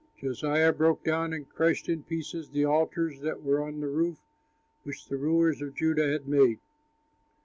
Josiah broke down and crushed in pieces the altars that were on the roof, which the rulers of Judah had made.